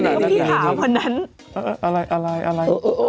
แม่เคยมาให้เขาหอมแก้มงิมังละ